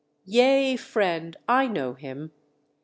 "Yea, friend! I know him.